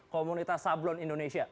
komunitas sablon indonesia